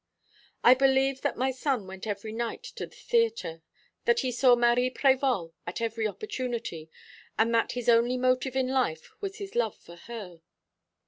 "I believe that my son went every night to the theatre, that he saw Marie Prévol at every opportunity, and that his only motive in life was his love for her.